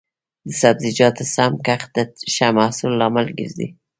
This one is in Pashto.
د سبزیجاتو سم کښت د ښه محصول لامل ګرځي.